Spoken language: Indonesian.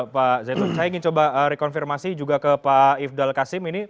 pak zaitun saya ingin coba rekonfirmasi juga ke pak ifdal kasim ini